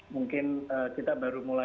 mungkin kita baru mulai